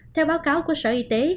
theo báo cáo của sở y tế